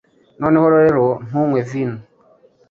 Noneho rero, ntunywe vino,